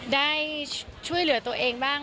ได้ช่วยเหลือตัวเองบ้าง